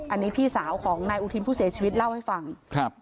อันนี้พี่สาวของนายอุทิมผู้เสียชีวิตเล่าให้ฟังครับ